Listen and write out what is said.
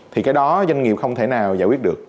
thì cái đó doanh nghiệp không thể nào giải quyết được